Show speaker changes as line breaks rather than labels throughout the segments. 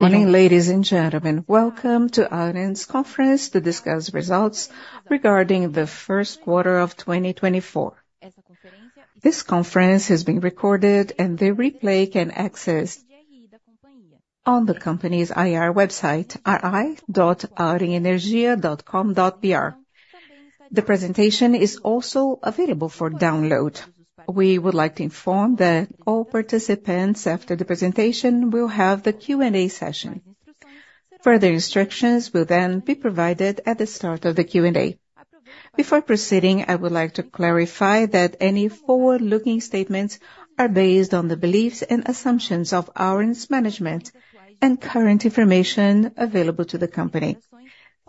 Morning, ladies and gentlemen. Welcome to Auren's conference to discuss results regarding the first quarter of 2024. This conference has been recorded, and the replay can be accessed on the company's IR website, ri.aurenenergia.com.br. The presentation is also available for download. We would like to inform that all participants after the presentation will have the Q&A session. Further instructions will then be provided at the start of the Q&A. Before proceeding, I would like to clarify that any forward-looking statements are based on the beliefs and assumptions of Auren's management and current information available to the company.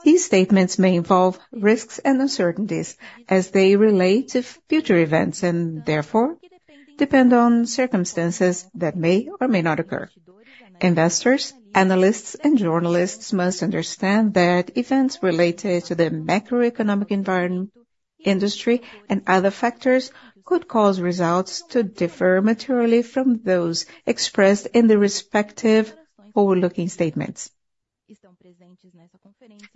These statements may involve risks and uncertainties as they relate to future events and, therefore, depend on circumstances that may or may not occur. Investors, analysts, and journalists must understand that events related to the macroeconomic environment, industry, and other factors could cause results to differ materially from those expressed in the respective forward-looking statements.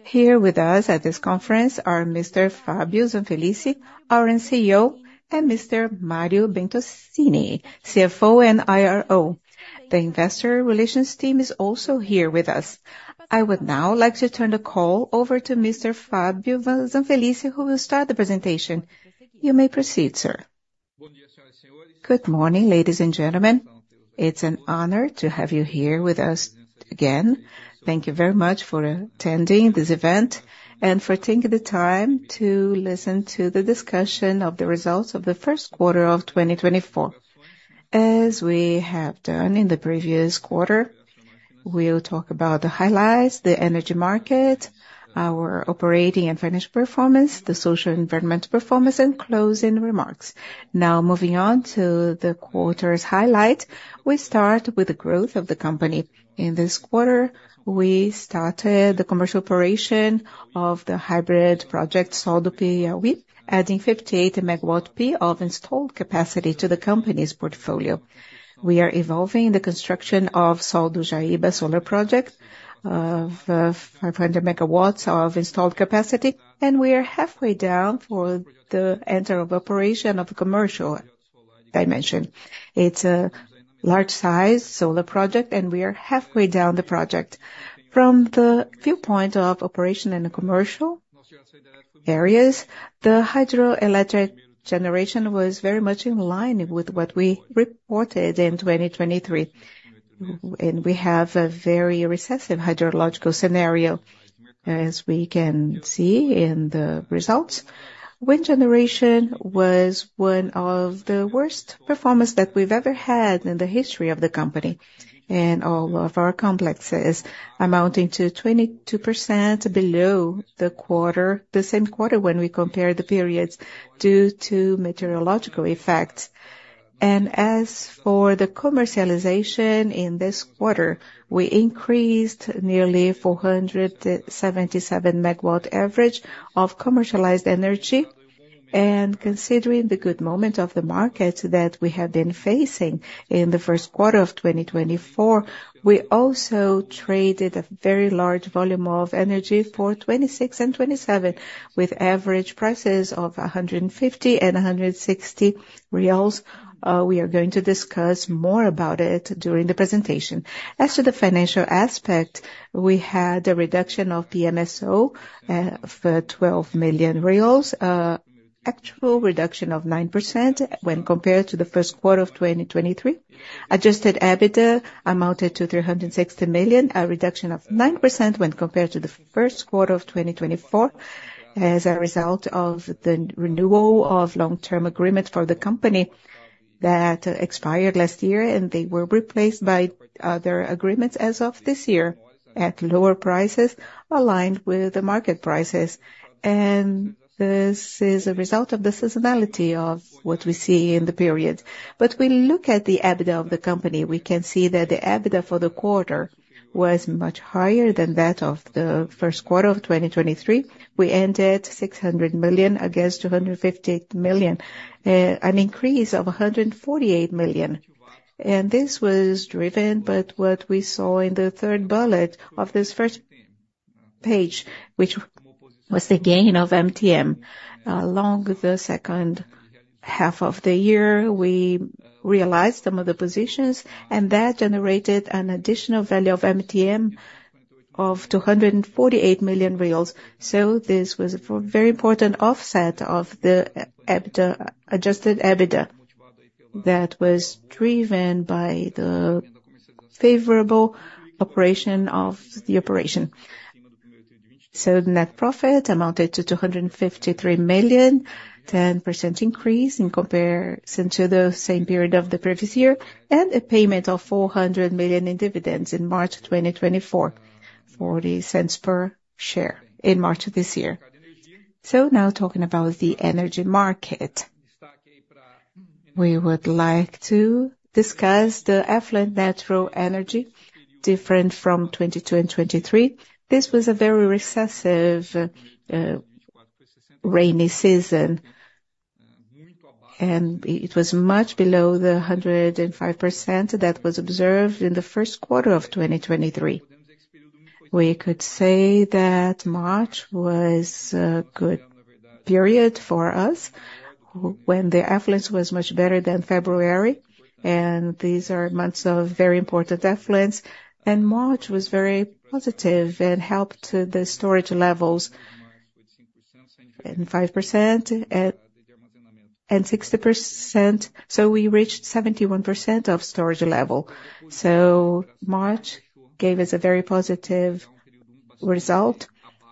Here with us at this conference are Mr. Fábio Zanfelice, Auren's CEO, and Mr. Mário Bertoncini, CFO and IRO. The investor relations team is also here with us. I would now like to turn the call over to Mr. Fábio Zanfelice, who will start the presentation. You may proceed, sir. Good morning, ladies and gentlemen. It's an honor to have you here with us again. Thank you very much for attending this event and for taking the time to listen to the discussion of the results of the first quarter of 2024. As we have done in the previous quarter, we'll talk about the highlights, the energy market, our operating and financial performance, the social and environmental performance, and closing remarks. Now, moving on to the quarter's highlight, we start with the growth of the company. In this quarter, we started the commercial operation of the hybrid project Sol do Piauí, adding 58 MW-peak of installed capacity to the company's portfolio. We are evolving the construction of Sol de Jaíba solar project of 500 MW of installed capacity, and we are halfway down for the entry of operation of the commercial dimension. It's a large-sized solar project, and we are halfway down the project. From the viewpoint of operation and commercial areas, the hydroelectric generation was very much in line with what we reported in 2023, and we have a very recessive hydrological scenario, as we can see in the results. Wind generation was one of the worst performances that we've ever had in the history of the company, and all of our complexes amounting to 22% below the same quarter when we compare the periods due to meteorological effects. And as for the commercialization in this quarter, we increased nearly 477 MW average of commercialized energy. And considering the good moment of the market that we have been facing in the first quarter of 2024, we also traded a very large volume of energy for 2026 and 2027, with average prices of 150 and 160 reais. We are going to discuss more about it during the presentation. As to the financial aspect, we had a reduction of PMSO for 12 million reais, an actual reduction of 9% when compared to the first quarter of 2023. Adjusted EBITDA amounted to 360 million, a reduction of 9% when compared to the first quarter of 2024 as a result of the renewal of long-term agreements for the company that expired last year, and they were replaced by other agreements as of this year at lower prices aligned with the market prices. And this is a result of the seasonality of what we see in the period. But when we look at the EBITDA of the company, we can see that the EBITDA for the quarter was much higher than that of the first quarter of 2023. We ended 600 million against 258 million, an increase of 148 million. This was driven by what we saw in the third bullet of this first page, which was the gain of MTM. Along the second half of the year, we realized some of the positions, and that generated an additional value of MTM of 248 million reais. So this was a very important offset of the Adjusted EBITDA that was driven by the favorable operation of the operation. So net profit amounted to 253 million, a 10% increase in comparison to the same period of the previous year, and a payment of 400 million in dividends in March 2024, 0.40 per share in March of this year. So now talking about the energy market, we would like to discuss the Affluent Natural Energy, different from 2022 and 2023. This was a very recessive, rainy season, and it was much below the 105% that was observed in the first quarter of 2023. We could say that March was a good period for us when the affluent was much better than February, and these are months of very important affluent. March was very positive and helped the storage levels at 5% and 60%. We reached 71% of storage level. March gave us a very positive result.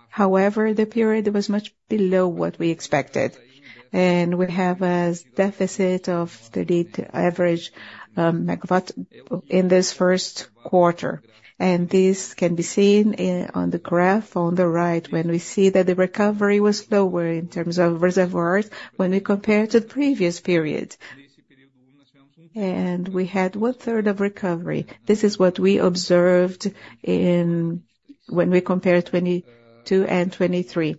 However, the period was much below what we expected, and we have a deficit of 38 average MW in this first quarter. This can be seen on the graph on the right when we see that the recovery was lower in terms of reservoirs when we compare to the previous period. We had one-third of recovery. This is what we observed when we compared 2022 and 2023.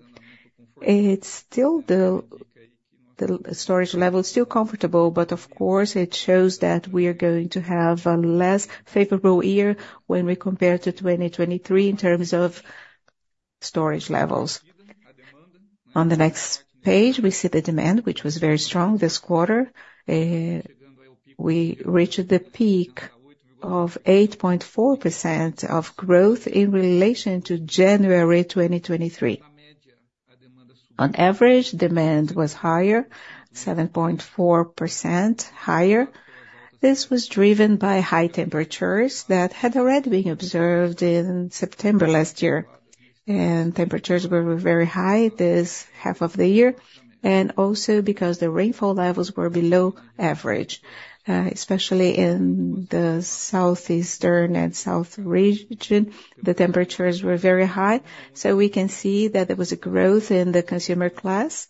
It's still the storage level is still comfortable, but of course, it shows that we are going to have a less favorable year when we compare to 2023 in terms of storage levels. On the next page, we see the demand, which was very strong this quarter. We reached the peak of 8.4% of growth in relation to January 2023. On average, demand was higher, 7.4% higher. This was driven by high temperatures that had already been observed in September last year, and temperatures were very high this half of the year, and also because the rainfall levels were below average. Especially in the Southeast and South Region, the temperatures were very high. So we can see that there was a growth in the consumer class,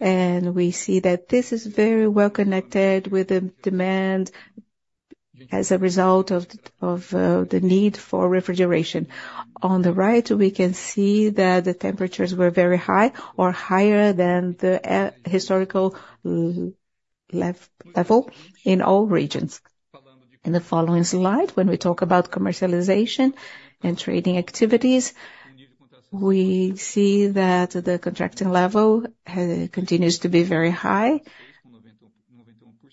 and we see that this is very well connected with the demand as a result of the need for refrigeration. On the right, we can see that the temperatures were very high or higher than the historical level in all regions. In the following slide, when we talk about commercialization and trading activities, we see that the contracting level continues to be very high,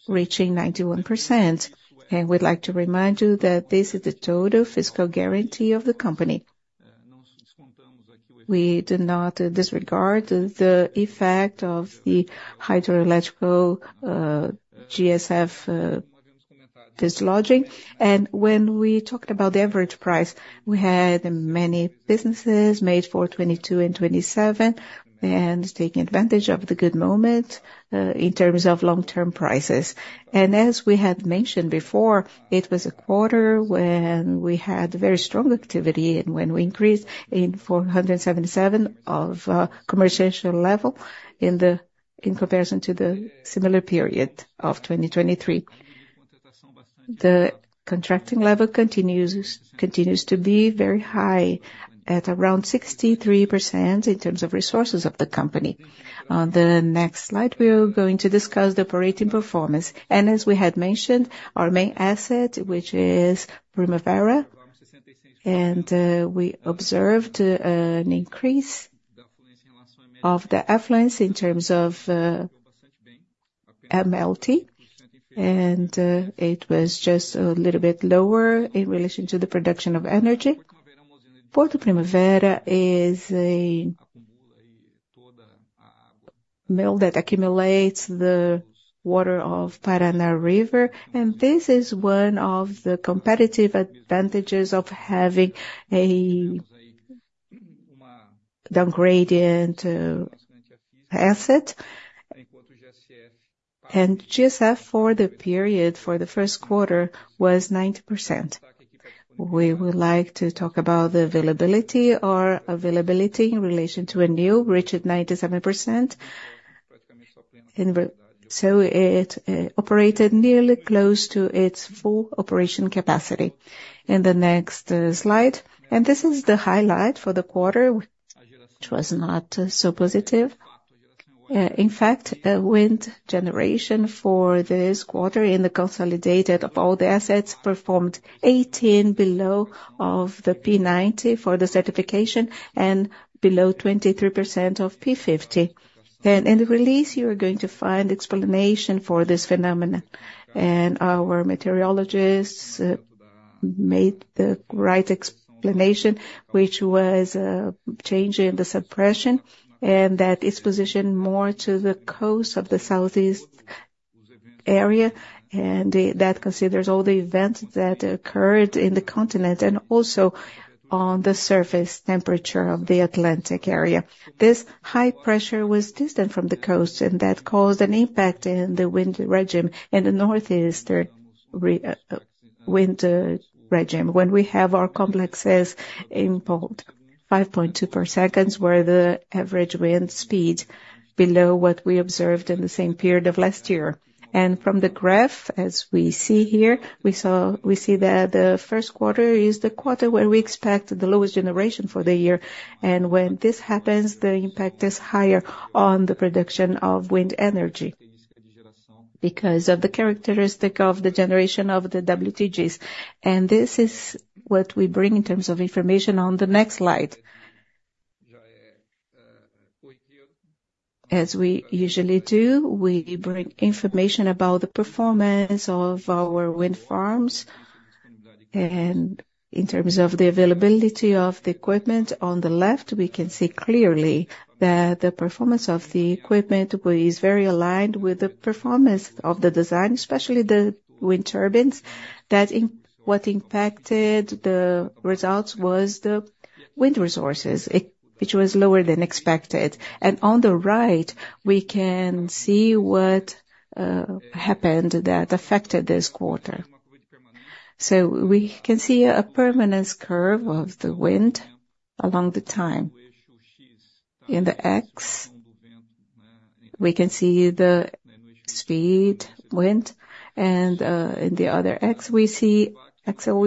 reaching 91%. We'd like to remind you that this is the total physical guarantee of the company. We did not disregard the effect of the hydroelectric GSF dislodging. When we talked about the average price, we had many businesses made for 2022 and 2027 and taking advantage of the good moment in terms of long-term prices. As we had mentioned before, it was a quarter when we had very strong activity and when we increased in 477% of commercial level in comparison to the similar period of 2023. The contracting level continues to be very high at around 63% in terms of resources of the company. On the next slide, we're going to discuss the operating performance. As we had mentioned, our main asset, which is Porto Primavera, and we observed an increase of the affluent in terms of MLT, and it was just a little bit lower in relation to the production of energy. Porto Primavera is a dam that accumulates the water of Paraná River, and this is one of the competitive advantages of having a downgradient asset. GSF for the period, for the first quarter, was 90%. We would like to talk about the availability in relation to a new record at 97%. So it operated nearly close to its full operation capacity. In the next slide, and this is the highlight for the quarter, which was not so positive. In fact, wind generation for this quarter in the consolidated of all the assets performed 18% below the P90 for the certification and below 23% of P50. In the release, you are going to find the explanation for this phenomenon. Our meteorologists made the right explanation, which was a change in the suppression and that it is positioned more to the coast of the Southeast Region, and that considers all the events that occurred in the continent and also on the surface temperature of the Atlantic Ocean. This high pressure was distant from the coast, and that caused an impact in the wind regime in the northeastern wind regime when we have our complexes in Piauí. 5.2 per second was the average wind speed below what we observed in the same period of last year. From the graph, as we see here, we see that the first quarter is the quarter where we expect the lowest generation for the year. When this happens, the impact is higher on the production of wind energy because of the characteristic of the generation of the WTGs. This is what we bring in terms of information on the next slide. As we usually do, we bring information about the performance of our wind farms. In terms of the availability of the equipment on the left, we can see clearly that the performance of the equipment is very aligned with the performance of the design, especially the wind turbines. What impacted the results was the wind resources, which was lower than expected. On the right, we can see what happened that affected this quarter. So we can see a permanence curve of the wind over time. In the x-axis, we can see the wind speed. And in the other x-axis, we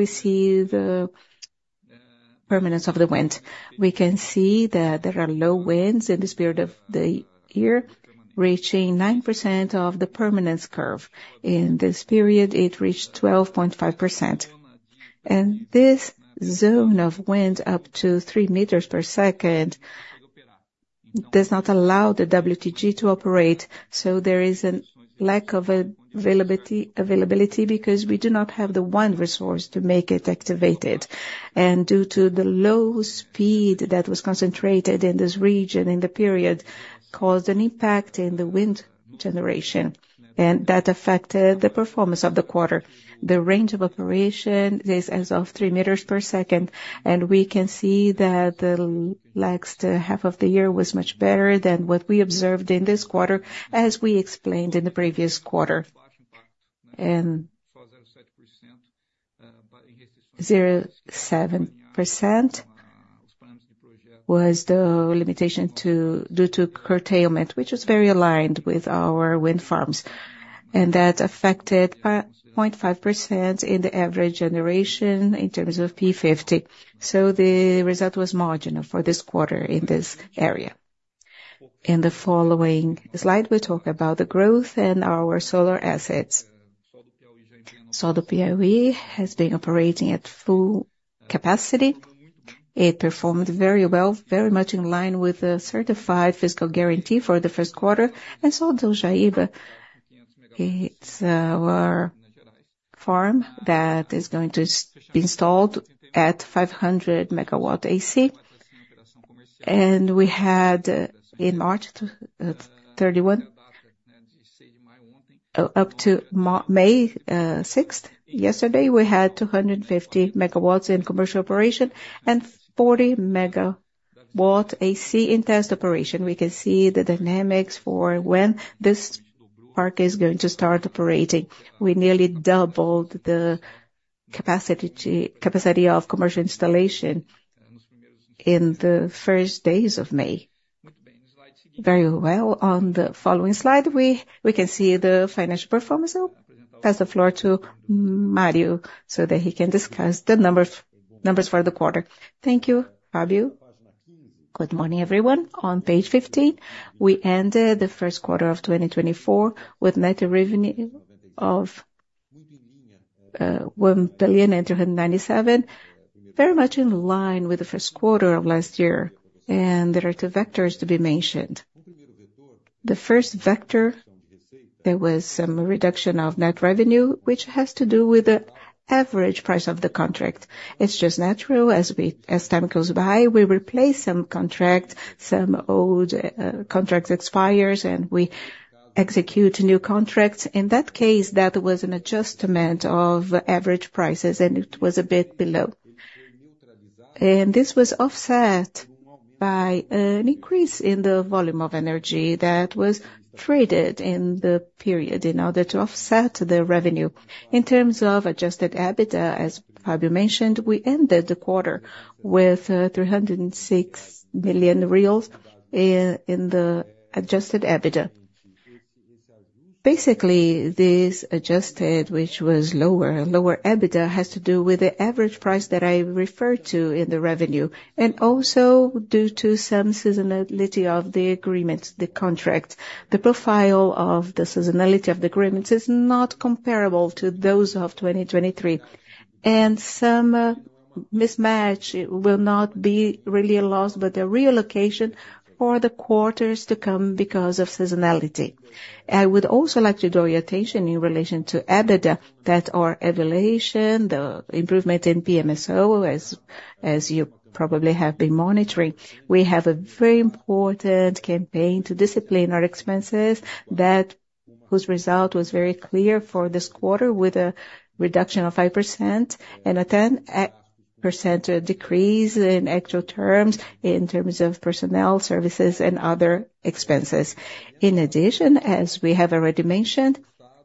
see the permanence of the wind. We can see that there are low winds in this period of the year reaching 9% of the permanence curve. In this period, it reached 12.5%. And this zone of wind up to 3 meters per second does not allow the WTG to operate. So there is a lack of availability because we do not have the wind resource to make it activated. And due to the low speed that was concentrated in this region in the period caused an impact in the wind generation, and that affected the performance of the quarter. The range of operation is as of 3 meters per second, and we can see that the last half of the year was much better than what we observed in this quarter, as we explained in the previous quarter. 0.7% was the limitation due to curtailment, which was very aligned with our wind farms. And that affected 0.5% in the average generation in terms of P50. The result was marginal for this quarter in this area. In the following slide, we talk about the growth and our solar assets. Sol do Piauí has been operating at full capacity. It performed very well, very much in line with the certified physical guarantee for the first quarter and Sol de Jaíba. It's our farm that is going to be installed at 500 MWac. We had in March 2031, up to May 6th, yesterday, we had 250 MW in commercial operation and 40 MW AC in test operation. We can see the dynamics for when this park is going to start operating. We nearly doubled the capacity of commercial installation in the first days of May. Very well. On the following slide, we can see the financial performance. I'll pass the floor to Mário so that he can discuss the numbers for the quarter. Thank you, Fábio. Good morning, everyone. On page 15, we ended the first quarter of 2024 with net revenue of 1.897 billion, very much in line with the first quarter of last year. There are two vectors to be mentioned. The first vector, there was some reduction of net revenue, which has to do with the average price of the contract. It's just natural, as time goes by, we replace some contracts, some old contracts expire, and we execute new contracts. In that case, that was an adjustment of average prices, and it was a bit below. And this was offset by an increase in the volume of energy that was traded in the period in order to offset the revenue. In terms of Adjusted EBITDA, as Fábio mentioned, we ended the quarter with 306 million reais in the Adjusted EBITDA. Basically, this adjusted, which was lower, lower EBITDA has to do with the average price that I referred to in the revenue, and also due to some seasonality of the agreements, the contracts. The profile of the seasonality of the agreements is not comparable to those of 2023. And some mismatch will not be really a loss, but the relocation for the quarters to come because of seasonality. I would also like to draw your attention in relation to EBITDA that are evaluation, the improvement in PMSO, as you probably have been monitoring. We have a very important campaign to discipline our expenses whose result was very clear for this quarter with a reduction of 5% and a 10% decrease in actual terms in terms of personnel, services, and other expenses. In addition, as we have already mentioned,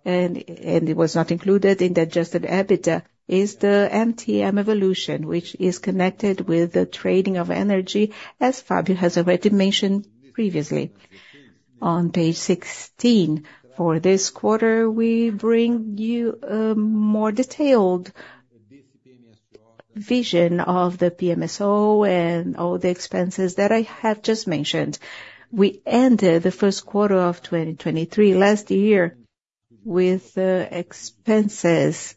and it was not included in the adjusted EBITDA, is the MTM evolution, which is connected with the trading of energy, as Fábio has already mentioned previously. On page 16, for this quarter, we bring you a more detailed vision of the PMSO and all the expenses that I have just mentioned. We ended the first quarter of 2023 last year with expenses,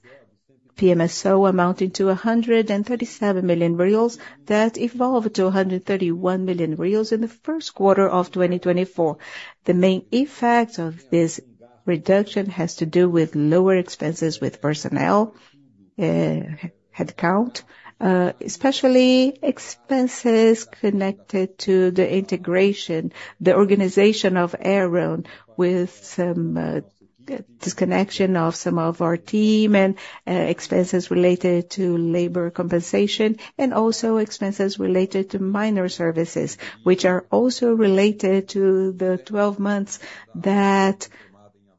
PMSO amounting to 137 million reais that evolved to 131 million reais in the first quarter of 2024. The main effect of this reduction has to do with lower expenses with personnel, headcount, especially expenses connected to the integration, the organization of Auren with some disconnection of some of our team and expenses related to labor compensation and also expenses related to minor services, which are also related to the 12 months that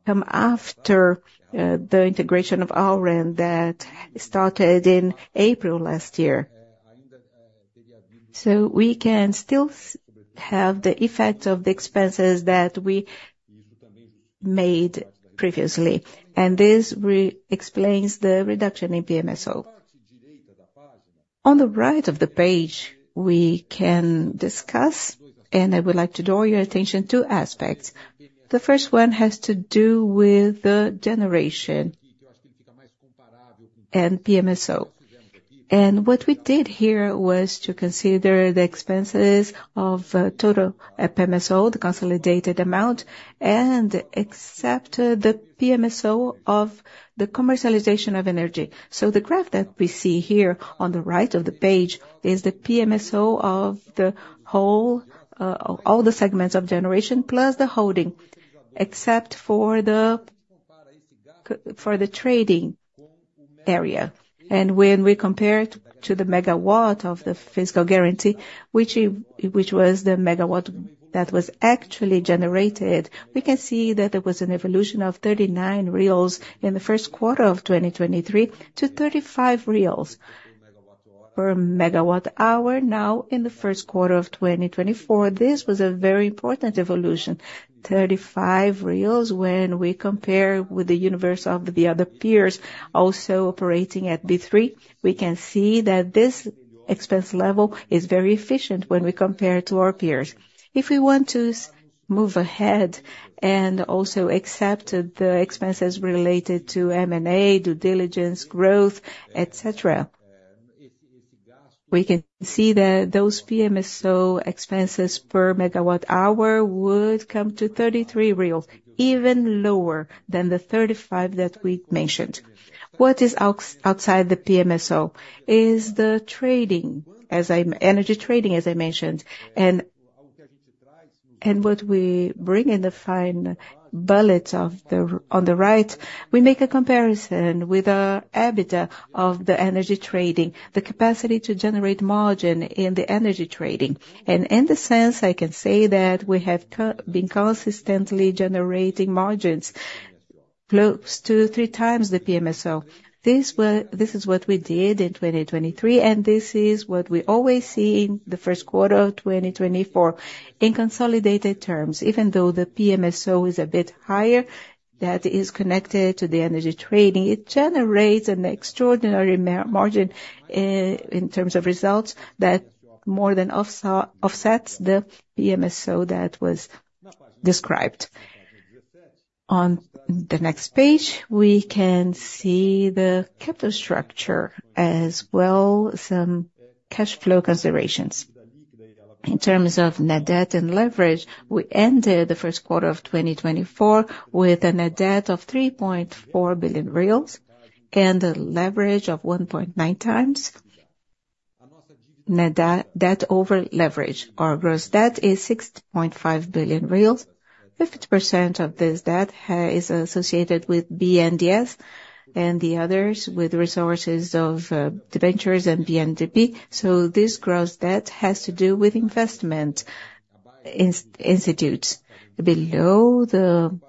come after the integration of Auren that started in April last year. So we can still have the effect of the expenses that we made previously. And this explains the reduction in PMSO. On the right of the page, we can discuss, and I would like to draw your attention to aspects. The first one has to do with the generation and PMSO. What we did here was to consider the expenses of total PMSO, the consolidated amount, and accept the PMSO of the commercialization of energy. So the graph that we see here on the right of the page is the PMSO of all the segments of generation plus the holding, except for the trading area. When we compare it to the megawatt of the physical guarantee, which was the megawatt that was actually generated, we can see that there was an evolution of 39 reais in the first quarter of 2023 to 35 reais per megawatt hour. Now, in the first quarter of 2024, this was a very important evolution, 35 reais when we compare with the universe of the other peers also operating at B3. We can see that this expense level is very efficient when we compare to our peers. If we want to move ahead and also accept the expenses related to M&A, due diligence, growth, etc., we can see that those PMSO expenses per megawatt hour would come to 33 reais, even lower than the 35 that we mentioned. What is outside the PMSO is the trading, energy trading, as I mentioned. And what we bring in the final bullet on the right, we make a comparison with our EBITDA of the energy trading, the capacity to generate margin in the energy trading. And in the sense, I can say that we have been consistently generating margins close to three times the PMSO. This is what we did in 2023, and this is what we always see in the first quarter of 2024. In consolidated terms, even though the PMSO is a bit higher that is connected to the energy trading, it generates an extraordinary margin in terms of results that more than offsets the PMSO that was described. On the next page, we can see the capital structure as well, some cash flow considerations. In terms of net debt and leverage, we ended the first quarter of 2024 with a net debt of 3.4 billion reais and a leverage of 1.9 times. Net debt over leverage, our gross debt is 6.5 billion reais. 50% of this debt is associated with BNDES and the others with resources of debentures and BNDES. So this gross debt has to do with investment institutes below the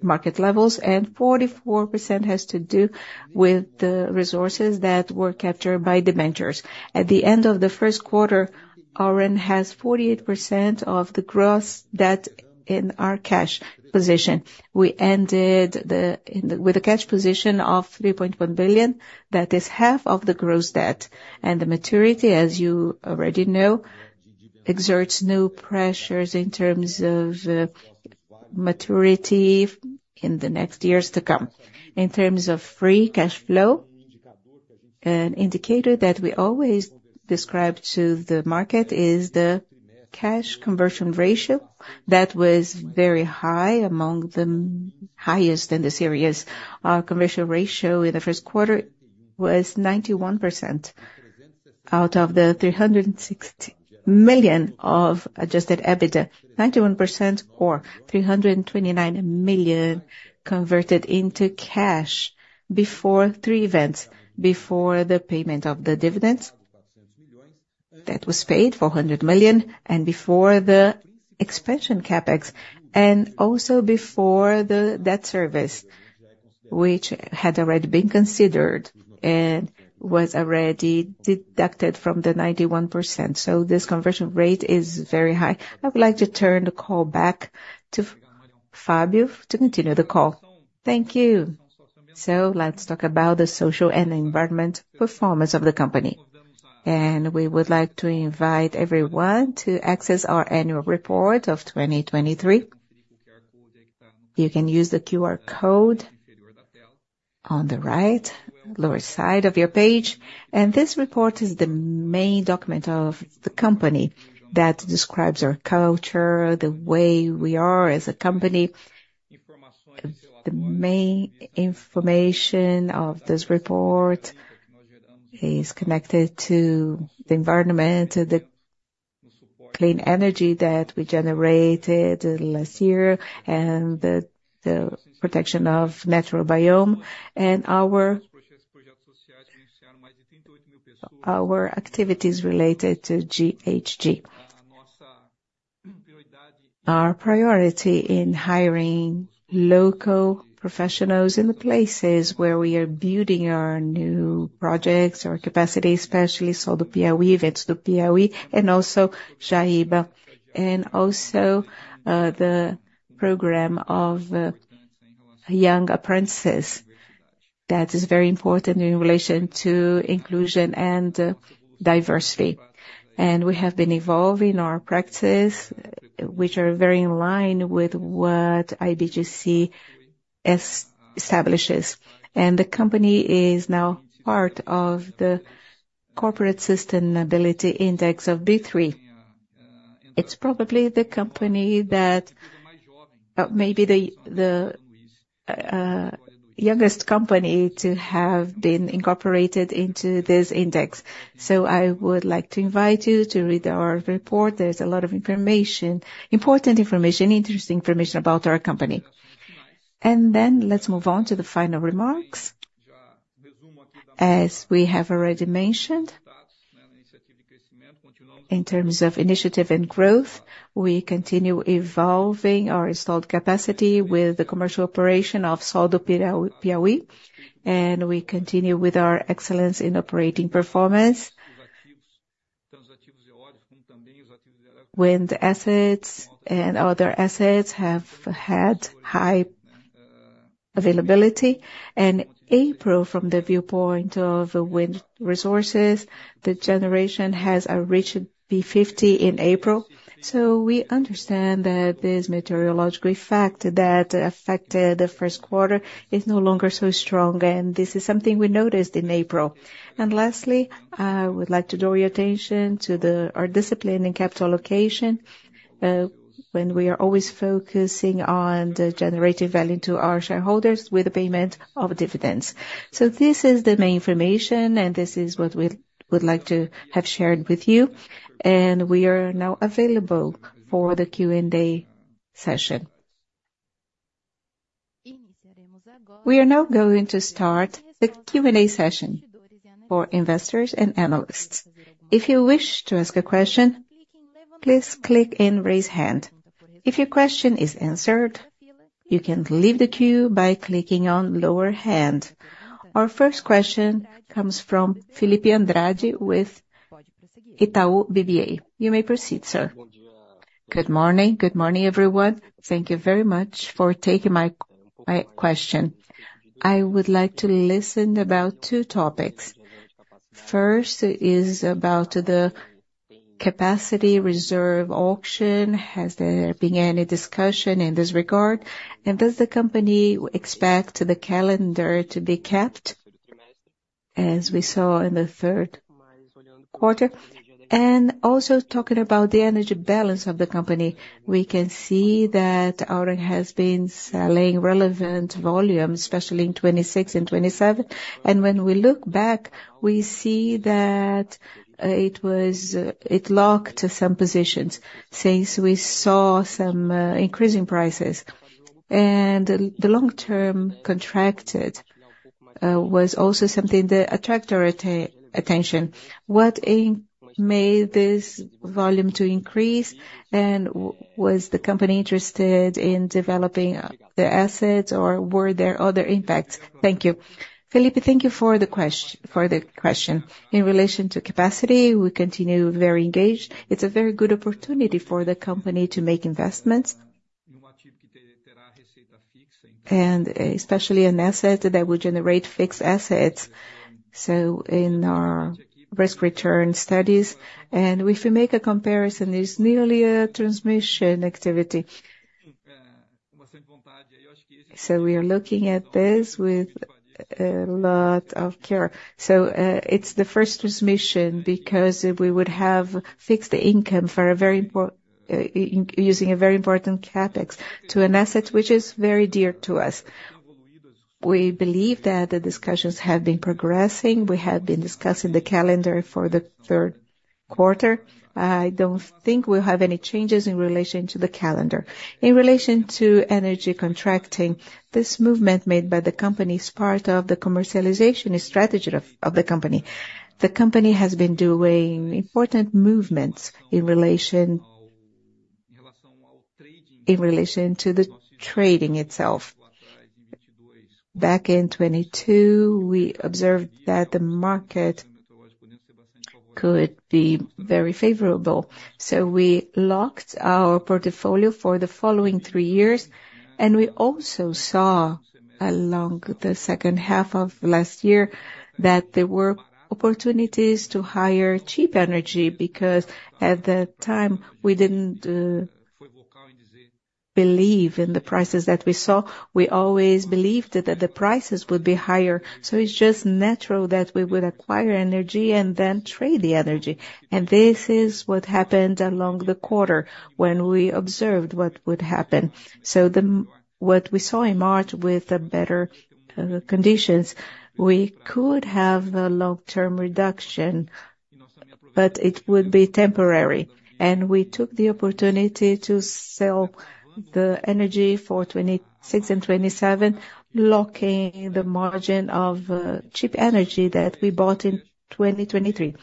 market levels, and 44% has to do with the resources that were captured by debentures. At the end of the first quarter, Auren has 48% of the gross debt in our cash position. We ended with a cash position of 3.1 billion. That is half of the gross debt. And the maturity, as you already know, exerts no pressures in terms of maturity in the next years to come. In terms of free cash flow, an indicator that we always describe to the market is the cash conversion ratio that was very high among the highest in the series. Our conversion ratio in the first quarter was 91% out of the 360 million of Adjusted EBITDA, 91% or 329 million converted into cash before three events, before the payment of the dividends that was paid, 400 million, and before the expansion CapEx, and also before the debt service, which had already been considered and was already deducted from the 91%. So this conversion rate is very high. I would like to turn the call back to Fábio to continue the call. Thank you. So let's talk about the social and environmental performance of the company. And we would like to invite everyone to access our annual report of 2023. You can use the QR code on the right lower side of your page. And this report is the main document of the company that describes our culture, the way we are as a company. The main information of this report is connected to the environment, the clean energy that we generated last year, and the protection of natural biome, and our activities related to GHG. Our priority in hiring local professionals in the places where we are building our new projects, our capacity, especially Sol do Piauí, Ventos do Piauí, and also Jaíba, and also the program of young apprentices that is very important in relation to inclusion and diversity. We have been evolving our practices, which are very in line with what IBGC establishes. The company is now part of the corporate sustainability index of B3. It's probably the company that may be the youngest company to have been incorporated into this index. So I would like to invite you to read our report. There's a lot of information, important information, interesting information about our company. Then let's move on to the final remarks. As we have already mentioned, in terms of initiative and growth, we continue evolving our installed capacity with the commercial operation of Sol do Piauí. We continue with our excellence in operating performance when the assets and other assets have had high availability. In April, from the viewpoint of wind resources, the generation has reached P50 in April. So we understand that this meteorological effect that affected the first quarter is no longer so strong. And this is something we noticed in April. And lastly, I would like to draw your attention to our discipline in capital allocation when we are always focusing on the generative value to our shareholders with the payment of dividends. So this is the main information, and this is what we would like to have shared with you. And we are now available for the Q&A session. We are now going to start the Q&A session for investors and analysts. If you wish to ask a question, please click and raise hand. If your question is answered, you can leave the queue by clicking on lower hand. Our first question comes from Filipe Andrade with Itaú BBA. You may proceed, Sir. Good morning. Good morning, everyone. Thank you very much for taking my question. I would like to listen about two topics. First is about the capacity reserve auction. Has there been any discussion in this regard? And does the company expect the calendar to be kept as we saw in the third quarter? And also talking about the energy balance of the company, we can see that Auren has been selling relevant volumes, especially in 2026 and 2027. And when we look back, we see that it locked some positions since we saw some increasing prices. And the long-term contracted was also something that attracted our attention. What made this volume to increase? And was the company interested in developing the assets, or were there other impacts? Thank you. Felipe, thank you for the question. In relation to capacity, we continue very engaged. It's a very good opportunity for the company to make investments. And especially an asset that would generate fixed assets. So in our risk return studies, and if we make a comparison, it's nearly a transmission activity. So we are looking at this with a lot of care. So it's the first transmission because we would have fixed income for a very important using a very important CapEx to an asset which is very dear to us. We believe that the discussions have been progressing. We have been discussing the calendar for the third quarter. I don't think we'll have any changes in relation to the calendar. In relation to energy contracting, this movement made by the company is part of the commercialization strategy of the company. The company has been doing important movements in relation to the trading itself. Back in 2022, we observed that the market could be very favorable. We locked our portfolio for the following three years. We also saw along the second half of last year that there were opportunities to hire cheap energy because at the time, we didn't believe in the prices that we saw. We always believed that the prices would be higher. It's just natural that we would acquire energy and then trade the energy. This is what happened along the quarter when we observed what would happen. What we saw in March with the better conditions, we could have a long-term reduction, but it would be temporary. We took the opportunity to sell the energy for 2026 and 2027, locking the margin of cheap energy that we bought in 2023.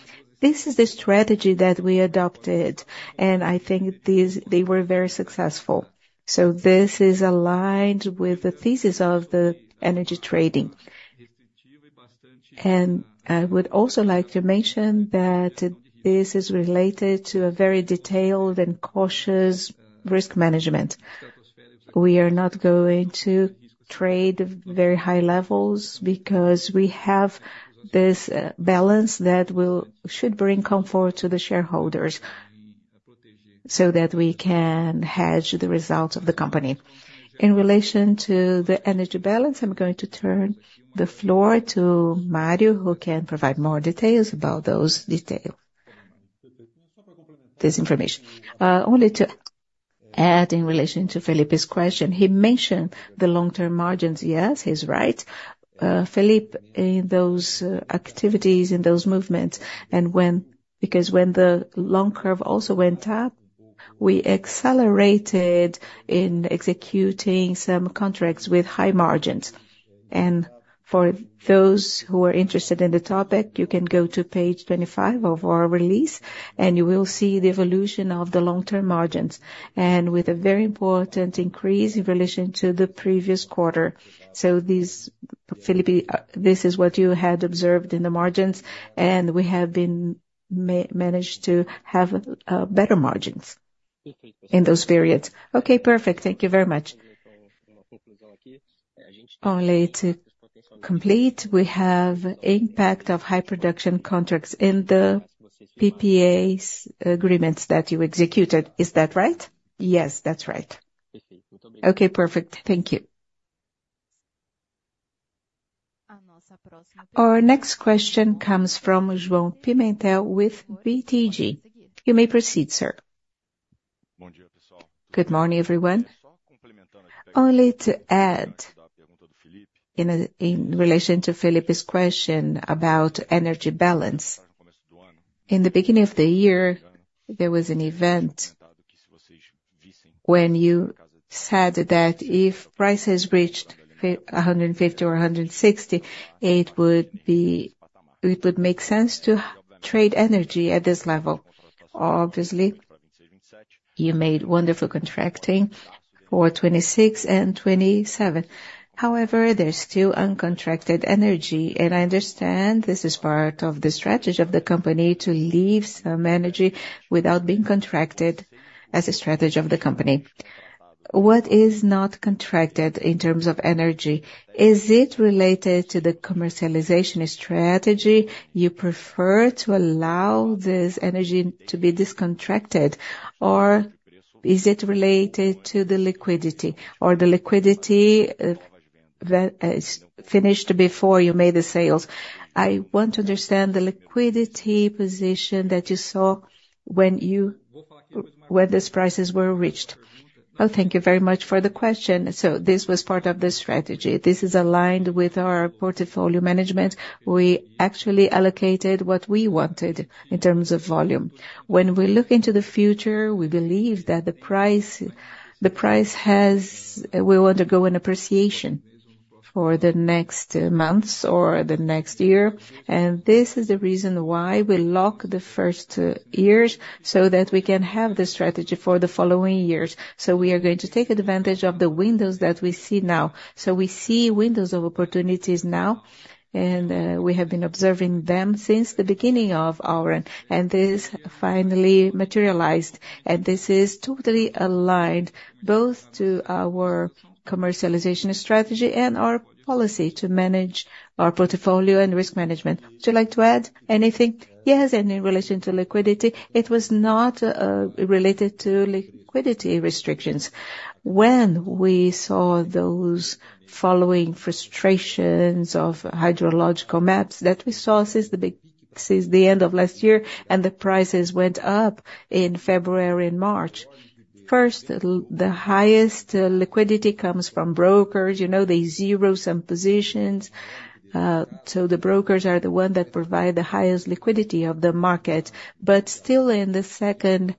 This is the strategy that we adopted. I think they were very successful. This is aligned with the thesis of the energy trading. I would also like to mention that this is related to a very detailed and cautious risk management. We are not going to trade very high levels because we have this balance that should bring comfort to the shareholders so that we can hedge the results of the company. In relation to the energy balance, I'm going to turn the floor to Mário, who can provide more details about those details. This information. Only to add in relation to Felipe's question, he mentioned the long-term margins. Yes, he's right. Felipe, in those activities, in those movements, and when because when the long curve also went up, we accelerated in executing some contracts with high margins. For those who are interested in the topic, you can go to page 25 of our release, and you will see the evolution of the long-term margins and with a very important increase in relation to the previous quarter. Felipe, this is what you had observed in the margins, and we have been managed to have better margins in those periods. Okay, perfect. Thank you very much. Only to complete, we have impact of high production contracts in the PPA agreements that you executed. Is that right? Yes, that's right. Okay, perfect. Thank you. Our next question comes from João Pimentel with BTG. You may proceed, sir. Good morning, everyone. Only to add in relation to Felipe's question about energy balance. In the beginning of the year, there was an event when you said that if prices reached 150 or 160, it would make sense to trade energy at this level. Obviously, you made wonderful contracting for 2026 and 2027. However, there's still uncontracted energy. And I understand this is part of the strategy of the company to leave some energy without being contracted as a strategy of the company. What is not contracted in terms of energy? Is it related to the commercialization strategy? You prefer to allow this energy to be discontracted, or is it related to the liquidity, or the liquidity finished before you made the sales? I want to understand the liquidity position that you saw when these prices were reached. Oh, thank you very much for the question. So this was part of the strategy. This is aligned with our portfolio management. We actually allocated what we wanted in terms of volume. When we look into the future, we believe that the price will undergo an appreciation for the next months or the next year. And this is the reason why we lock the first years so that we can have the strategy for the following years. So we are going to take advantage of the windows that we see now. So we see windows of opportunities now, and we have been observing them since the beginning of Auren. And this finally materialized. And this is totally aligned both to our commercialization strategy and our policy to manage our portfolio and risk management. Would you like to add anything? Yes. And in relation to liquidity, it was not related to liquidity restrictions. When we saw those following frustrations of hydrological maps that we saw since the end of last year and the prices went up in February and March, first, the highest liquidity comes from brokers. They zero some positions. So the brokers are the ones that provide the highest liquidity of the market. But still in the second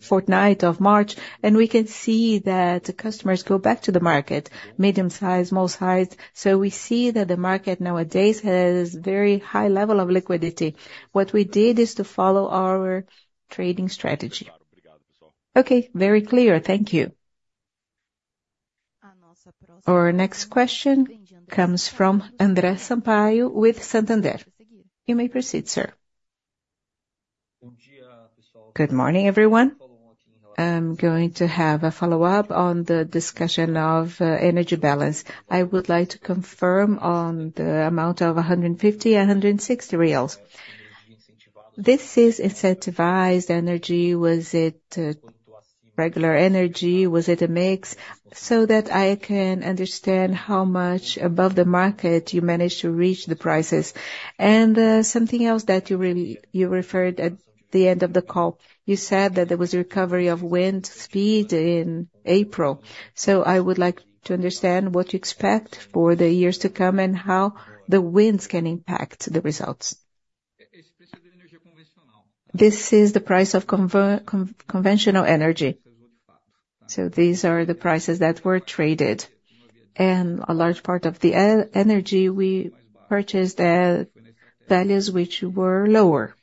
fortnight of March, and we can see that customers go back to the market, medium size, small size. So we see that the market nowadays has a very high level of liquidity. What we did is to follow our trading strategy. Okay, very clear. Thank you. Our next question comes from André Sampaio with Santander. You may proceed, Sir. Good morning, everyone. I'm going to have a follow-up on the discussion of energy balance. I would like to confirm on the amount of 150-160 reais. This is incentivized energy. Was it regular energy? Was it a mix? So that I can understand how much above the market you managed to reach the prices. And something else that you referred to at the end of the call, you said that there was a recovery of wind speed in April. So I would like to understand what you expect for the years to come and how the winds can impact the results. This is the price of conventional energy. So these are the prices that were traded. And a large part of the energy we purchased at values which were lower.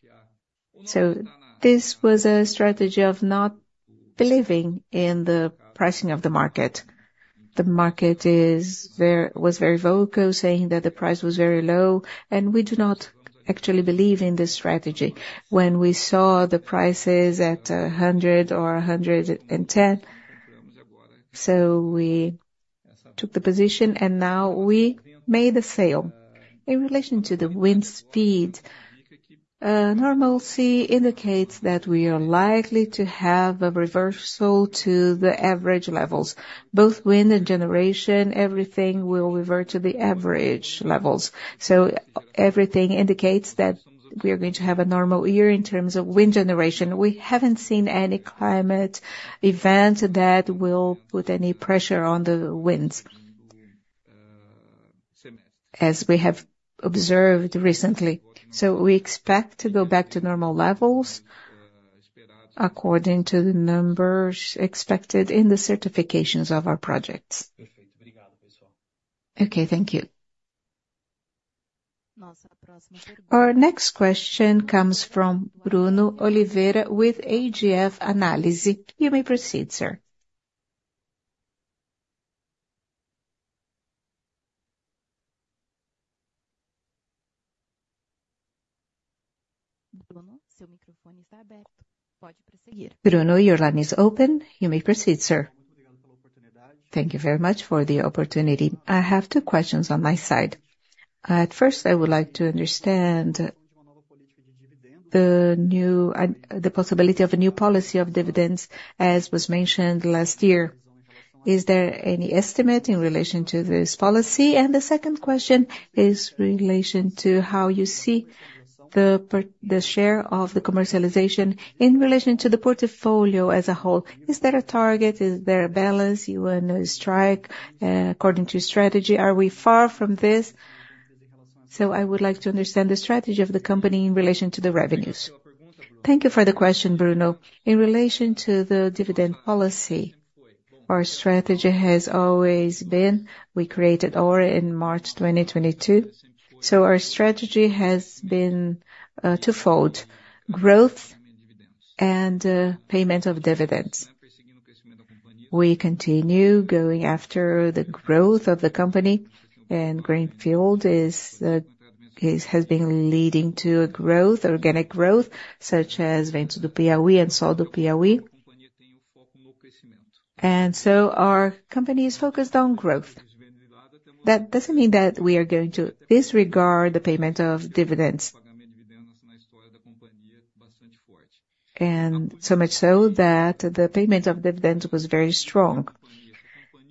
So this was a strategy of not believing in the pricing of the market. The market was very vocal saying that the price was very low, and we do not actually believe in this strategy. When we saw the prices at 100 or 110, so we took the position, and now we made a sale. In relation to the wind speed, normalcy indicates that we are likely to have a reversal to the average levels. Both wind and generation, everything will revert to the average levels. So everything indicates that we are going to have a normal year in terms of wind generation. We haven't seen any climate event that will put any pressure on the winds as we have observed recently. So we expect to go back to normal levels according to the numbers expected in the certifications of our projects. Okay, thank you. Our next question comes from Bruno Oliveira with AGF Análise. You may proceed, sir. Bruno, seu microfone está aberto. Pode prosseguir. Bruno, your line is open. You may proceed, sir. Thank you very much for the opportunity. I have two questions on my side. At first, I would like to understand the possibility of a new policy of dividends, as was mentioned last year. Is there any estimate in relation to this policy? And the second question is in relation to how you see the share of the commercialization in relation to the portfolio as a whole. Is there a target? Is there a balance? You want to strike according to strategy. Are we far from this? So I would like to understand the strategy of the company in relation to the revenues. Thank you for the question, Bruno. In relation to the dividend policy, our strategy has always been we created Auren in March 2022. So our strategy has been twofold: growth and payment of dividends. We continue going after the growth of the company, and greenfield has been leading to organic growth such as Ventos do Piauí and Sol do Piauí. So our company is focused on growth. That doesn't mean that we are going to disregard the payment of dividends. And so much so that the payment of dividends was very strong.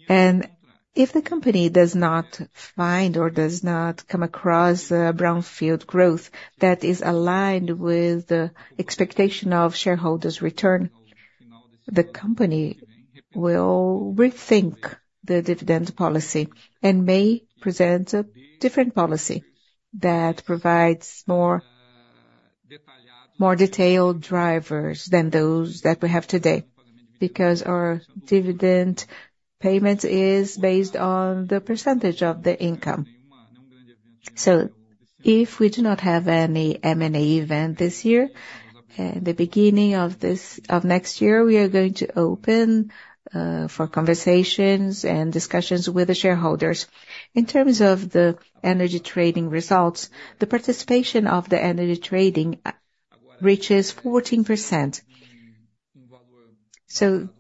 And if the company does not find or does not come across brownfield growth that is aligned with the expectation of shareholders' return, the company will rethink the dividend policy and may present a different policy that provides more detailed drivers than those that we have today because our dividend payment is based on the percentage of the income. So if we do not have any M&A event this year, in the beginning of next year, we are going to open for conversations and discussions with the shareholders. In terms of the energy trading results, the participation of the energy trading reaches 14%.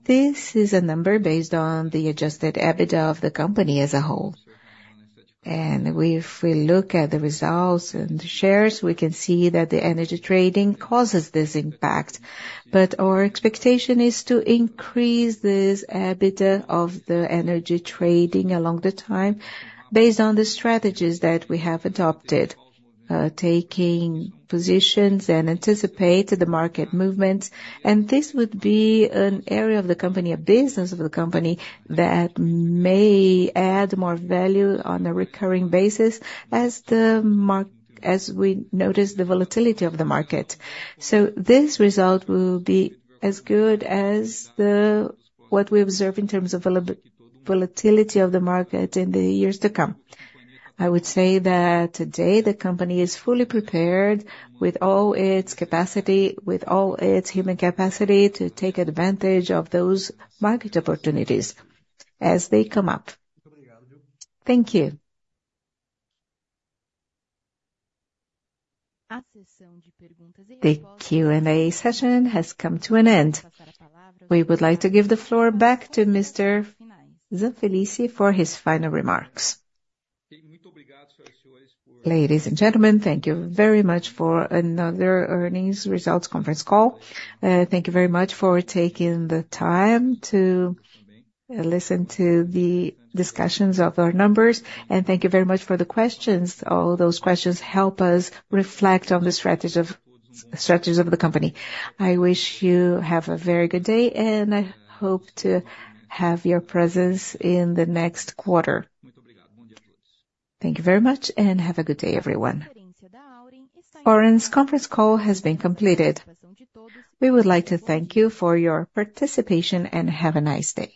This is a number based on the adjusted EBITDA of the company as a whole. If we look at the results and the shares, we can see that the energy trading causes this impact. Our expectation is to increase this EBITDA of the energy trading along the time based on the strategies that we have adopted, taking positions and anticipating the market movements. This would be an area of the company, a business of the company that may add more value on a recurring basis as we notice the volatility of the market. This result will be as good as what we observe in terms of volatility of the market in the years to come. I would say that today the company is fully prepared with all its capacity, with all its human capacity to take advantage of those market opportunities as they come up. Thank you. The Q&A session has come to an end. We would like to give the floor back to Mr. Zanfelice for his final remarks. Ladies and gentlemen, thank you very much for another earnings results conference call. Thank you very much for taking the time to listen to the discussions of our numbers. Thank you very much for the questions. All those questions help us reflect on the strategies of the company. I wish you have a very good day, and I hope to have your presence in the next quarter. Thank you very much, and have a good day, everyone. Auren's conference call has been completed. We would like to thank you for your participation and have a nice day.